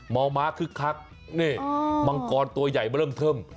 ม้าคึกคักนี่มังกรตัวใหญ่มาเริ่มเทิม